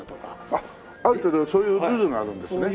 ある程度そういうルールがあるんですね。